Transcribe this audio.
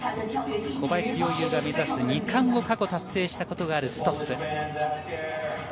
小林陵侑が目指す２冠を過去達成したことがあるストッフ。